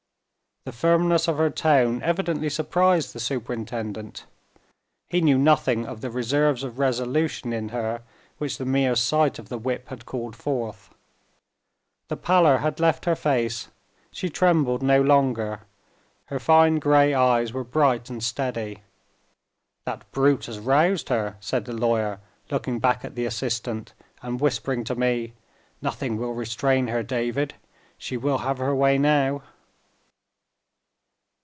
The firmness of her tone evidently surprised the superintendent. He knew nothing of the reserves of resolution in her, which the mere sight of the whip had called forth. The pallor had left her face; she trembled no longer; her fine gray eyes were bright and steady. "That brute has roused her," said the lawyer, looking back at the assistant, and whispering to me; "nothing will restrain her, David she will have her way now."